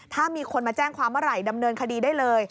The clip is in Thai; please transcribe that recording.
ถ้ามีคนมาแจ้งความเมื่อไหร่ดำเนินคดีได้เลย